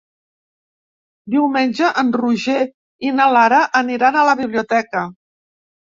Diumenge en Roger i na Lara aniran a la biblioteca.